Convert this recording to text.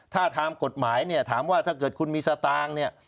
ถ้าทางกฎหมายเนี่ยถามว่าถ้าเกิดคุณมีสตางค์เนี่ย